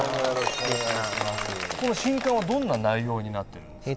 この新館はどんな内容になってるんですか？